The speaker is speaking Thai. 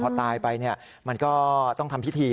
พอตายไปมันก็ต้องทำพิธี